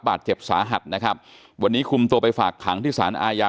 บาดเจ็บสาหัสนะครับวันนี้คุมตัวไปฝากขังที่สารอาญา